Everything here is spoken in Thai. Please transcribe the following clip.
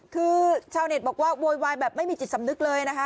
คือชาวเน็ตบอกว่าโวยวายแบบไม่มีจิตสำนึกเลยนะคะ